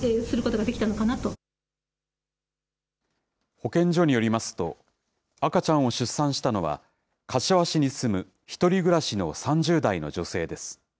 保健所によりますと、赤ちゃんを出産したのは、柏市に住む１人暮らしの３０代の女性です。